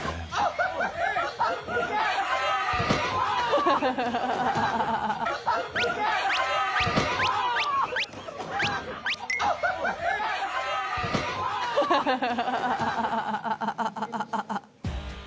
フハハハハハ。